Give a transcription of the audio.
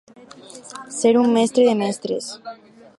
Ser un mestre de mestres.